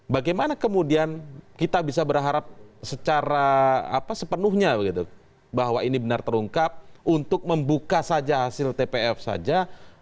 bagaimana kemudian kita bisa berharap secara sepenuhnya bahwa ini benar terungkap untuk membuka saja hasil tpf saja